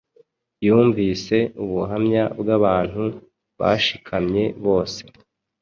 Yumvise ubuhamya bw’abantu bashikamye bose